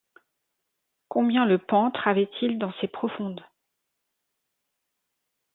Combien le pantre avait-il dans ses profondes?